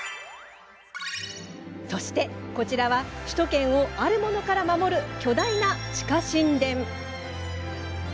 そして、こちらは首都圏をあるものから守る巨大な地下神殿。